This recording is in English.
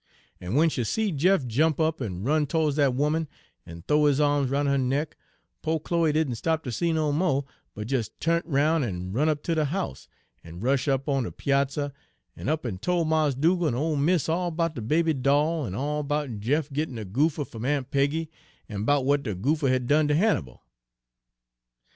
En w'en she seed Jeff jump up en run to'ds dat 'oman, en th'ow his a'ms roun' her neck, po' Chloe didn' stop ter see no mo', but des tu'nt roun' en run up ter de house, en rush' up on de piazzer, en up en tol' Mars' Dugal' en ole mis' all 'bout de baby doll, en all 'bout Jeff gittin' de goopher fum Aun' Peggy, en 'bout w'at de goopher had done ter Hannibal.